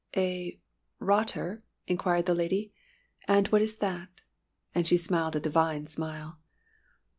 "A rotter?" inquired the lady. "And what is that?" And she smiled a divine smile.